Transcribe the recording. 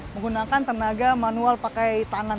menggunakan tenaga manual pakai tangan